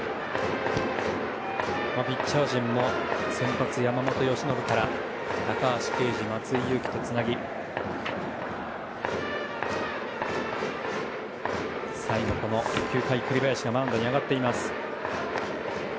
ピッチャー陣も先発、山本由伸から高橋奎二松井裕樹とつなぎ最後、９回は栗林がマウンドに上がっています。